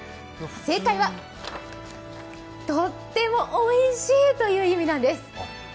正解は「とってもおいしい」という意味なんです。